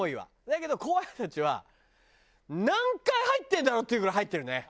だけど後輩たちは何回入ってるんだろう？っていうぐらい入ってるね。